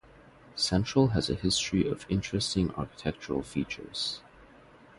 Central has a history of interesting architectural features.